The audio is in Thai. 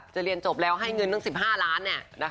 เรียนจบแล้วให้เงินตั้ง๑๕ล้าน